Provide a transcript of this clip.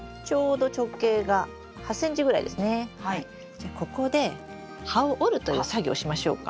じゃここで葉を折るという作業をしましょうか？